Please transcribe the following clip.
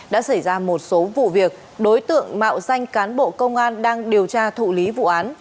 đã xảy ra một số vụ việc đối tượng mạo danh cán bộ công an đang điều tra thụ lý vụ án